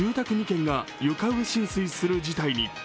２軒が床上浸水する事態に。